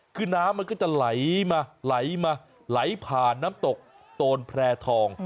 คือน้ำมันก็จะไหลมาไหลมาไหลผ่านน้ำตกโตนแพร่ทอง